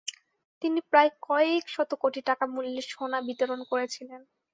তিনি প্রায় কয়েকশত কোটি টাকা মূল্যের সোনা বিতরণ করেছিলেন।